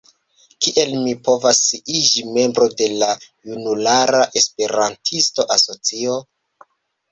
Kiel mi povas iĝi membro de la junulara Esperantista asocio?